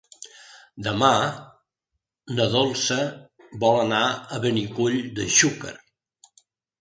Demà na Dolça vol anar a Benicull de Xúquer.